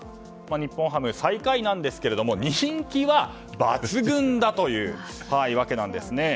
日本ハム、最下位なんですが人気は抜群だというわけなんです。